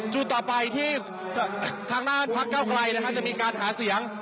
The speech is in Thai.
จุดต่อไปที่ทางด้านพักเก้าไกลจะมีการหาเสียง